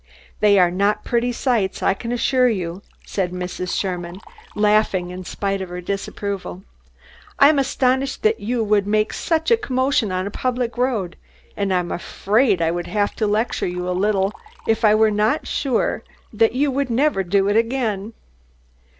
"They are not pretty sights, I can assure you," said Mrs. Sherman, laughing in spite of her disapproval. "I'm astonished that you would make such a commotion on a public road, and I'm afraid I would have to lecture you a little if I were not sure that you would never do it again.